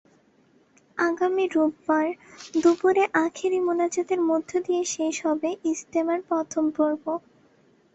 আগামী রোববার দুপুরে আখেরি মোনাজাতের মধ্য দিয়ে শেষ হবে ইজতেমার প্রথম পর্ব।